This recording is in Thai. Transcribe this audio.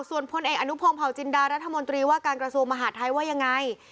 ส่วนพลเอกอนุพงศ์เผาจินดารัฐมนตรีว่าการกระทรวงมหาดไทยว่ายังไง